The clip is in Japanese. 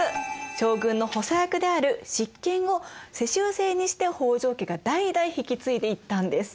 将軍の補佐役である執権を世襲制にして北条家が代々引き継いでいったんです。